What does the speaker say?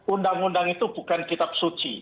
undang undang itu bukan kitab suci